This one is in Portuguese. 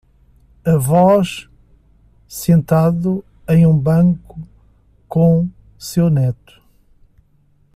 Avós sentado em um banco com seu neto.